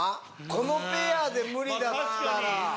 このペアで無理だったら。